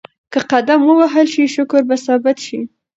که قدم ووهل شي شکر به ثابت شي.